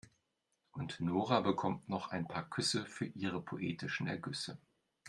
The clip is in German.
Und Nora bekommt noch ein paar Küsse für ihre poetischen Ergüsse.